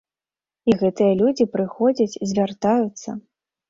І гэтыя людзі прыходзяць, звяртаюцца.